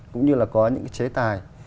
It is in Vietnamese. cũng như là có những cái chế tài